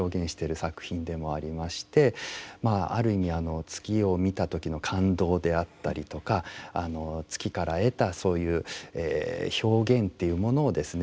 まあある意味月を見た時の感動であったりとか月から得たそういう表現というものをですね